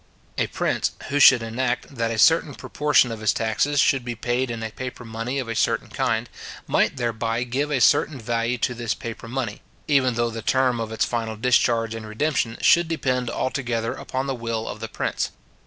A prince, who should enact that a certain proportion of his taxes should be paid in a paper money of a certain kind, might thereby give a certain value to this paper money, even though the term of its final discharge and redemption should depend altogether upon the will of the prince.